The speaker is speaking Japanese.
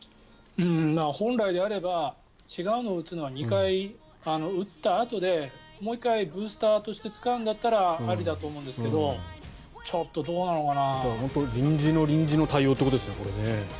本来であれば違うのを打つのは２回打ったあとで、もう１回ブースターとして使うんだったらありだと思うんですけどちょっとどうなのかな。